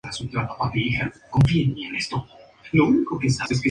Pero más tarde regresa a Corea.